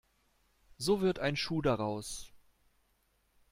So wird ein Schuh daraus.